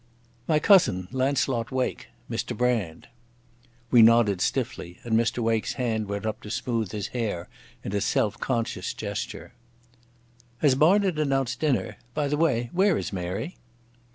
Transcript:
"My cousin Launcelot Wake—Mr Brand." We nodded stiffly and Mr Wake's hand went up to smooth his hair in a self conscious gesture. "Has Barnard announced dinner? By the way, where is Mary?"